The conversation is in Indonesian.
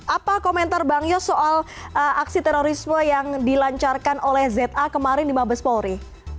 apa komentar bang yos soal aksi terorisme yang dilancarkan oleh za kemarin di mabes polri